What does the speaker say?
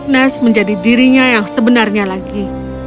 putri agnes menjadi dirinya yang sebenarnya lagi